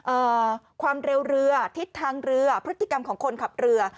เอ่อความเร็วเรือทิศทางเรือพฤติกรรมของคนขับเรือ